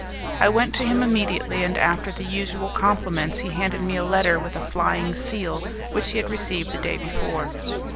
I went to him immediately, and after the usual compliments he handed me a letter with a flying seal, which he had received the day before.